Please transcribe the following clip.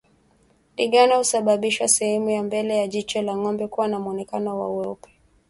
Ndigana husababisha sehemu ya mbele ya jicho la ngombe kuwa na mwonekano wa weupe